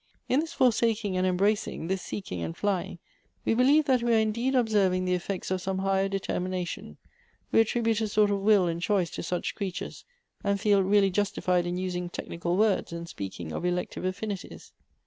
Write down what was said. In this forsaking and embracing, this seeking and flying, we believe that we are indeed observing the effects of some higher determination ; we attribute a sort of will and choice to such creatures, and feel really justified in using technical words, and speaking of ' Elective Affini ties.'"